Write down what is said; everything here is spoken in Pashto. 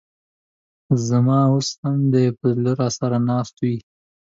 ز ما اوس هم دي په زړه راسره ناست وې